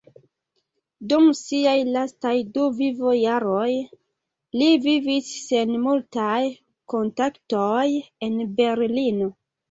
Dum siaj lastaj du vivojaroj li vivis sen multaj kontaktoj en Berlino.